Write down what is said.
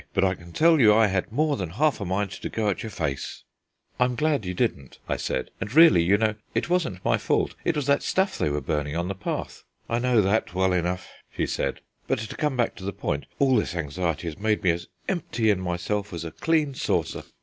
but I can tell you I had more than half a mind to go at your face." "I am glad you didn't," I said; "and really, you know, it wasn't my fault: it was that stuff they were burning on the path." "I know that well enough," she said; "but to come back to the point, all this anxiety has made me as empty in myself as a clean saucer."